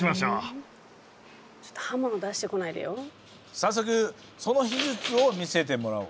早速その秘術を見せてもらおう。